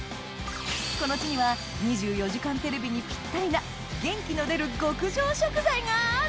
この地には『２４時間テレビ』にピッタリな元気の出る極上食材がある！